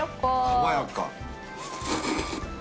爽やか？